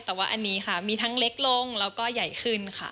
แต่ว่าอันนี้ค่ะมีทั้งเล็กลงแล้วก็ใหญ่ขึ้นค่ะ